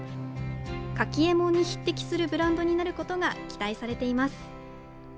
カキえもんに匹敵するブランドになることが期待されています。